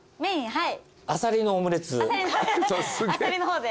はい。